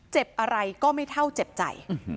เจ็บอะไรก็ไม่เท่าเจ็บใจ